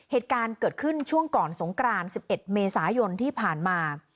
เหตุการณ์เกิดขึ้นช่วงก่อนสงกราน๑๑เมษายนที่ผ่านมา